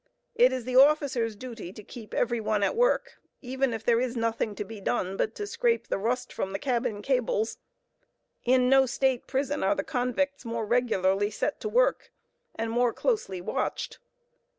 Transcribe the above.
It is the officer's duty to keep every one at work, even if there is nothing to be done but to scrape the rust from the cabin cables. In no state prison are the convicts more regularly set to work, and more closely watched.